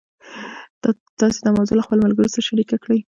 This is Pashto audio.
تاسي دا موضوع له خپلو ملګرو سره شریکه کړئ.